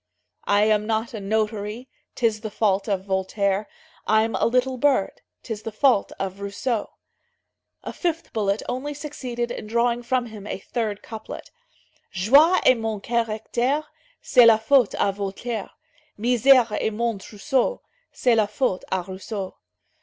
"I am not a notary, 'Tis the fault of Voltaire; I'm a little bird, 'Tis the fault of Rousseau." A fifth bullet only succeeded in drawing from him a third couplet. "Joie est mon caractère, C'est la faute à Voltaire; Misère est mon trousseau, C'est la faute à Rousseau."